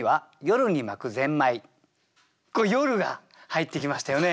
これ「夜」が入ってきましたよね。